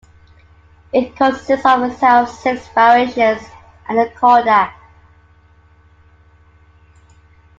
It consists of a set of six variations and a coda.